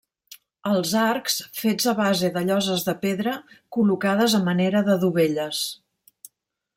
Els arcs fets a base de lloses de pedra col·locades a manera de dovelles.